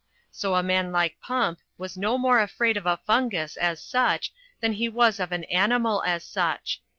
So a man like Pump was no more afraid of a fungus as such than he was of an animal as such.